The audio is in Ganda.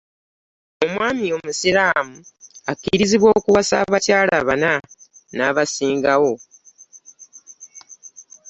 Omwami omusiramu akirizibwa okuwasa abayala baana na basingawo.